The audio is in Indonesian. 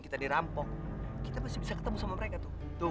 kita masih bisa ketemu sama mereka tuh